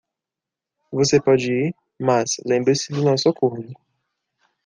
Você pode ir?, mas lembre-se do nosso acordo.